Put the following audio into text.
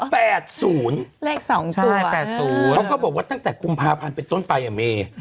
แปดศูนย์เลขสองตัวใช่แปดศูนย์เขาเขาบอกว่าตั้งแต่กรุงพาพันธ์เป็นต้นประยะเมย์